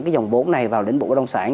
cái dòng vốn này vào lĩnh vực bất động sản